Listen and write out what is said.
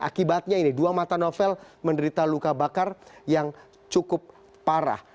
akibatnya ini dua mata novel menderita luka bakar yang cukup parah